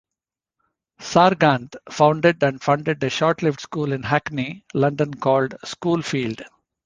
Sargant founded and funded a shortlived school in Hackney, London, called 'School Field'.